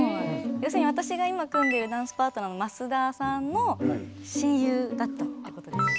要するに私が今組んでるダンスパートナーの増田さんの親友だったってことです。